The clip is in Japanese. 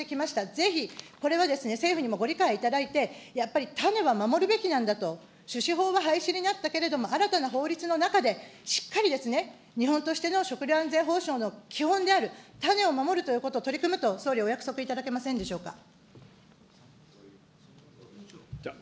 ぜひ、これはですね、政府にもご理解いただいて、やっぱり種は守るべきなんだと、種子法が廃止になったけれども、新たな法律の中でしっかり日本としての食料安全保障の基本である種を守るということを、取り組むと、総理、お約束いただけませんでしょうか。